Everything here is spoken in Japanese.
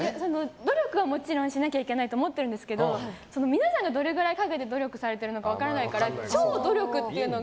努力はもちろんしなきゃいけないと思ってるんですけど皆さんがどれぐらい陰で努力されてるか分からないから超努力っていうのが。